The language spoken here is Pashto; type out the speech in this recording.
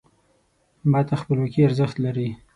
ما ته خپلواکي ارزښت لري .